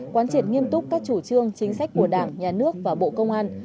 quán triệt nghiêm túc các chủ trương chính sách của đảng nhà nước và bộ công an